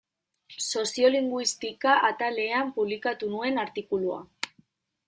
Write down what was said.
Soziolinguistika atalean publikatu nuen artikulua.